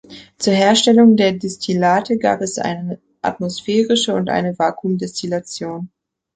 Zur Herstellung der Destillate gab es eine atmosphärische und eine Vakuumdestillation.